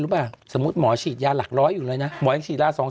ป่ะสมมุติหมอฉีดยาหลักร้อยอยู่เลยนะหมอยังฉีดยา๒๐๐